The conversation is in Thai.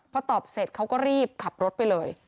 พอตอบเสร็จเขาก็รีบขับรถไปเลย